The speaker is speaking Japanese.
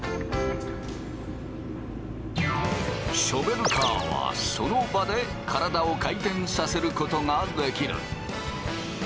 ショベルカーはその場で体を回転させることができる。